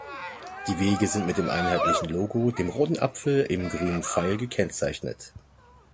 Die Wege sind mit dem einheitlichen Logo, dem roten Apfel im grünen Pfeil, gekennzeichnet.